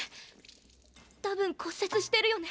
多分骨折してるよね？